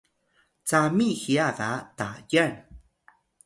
cami hiya ga Tayal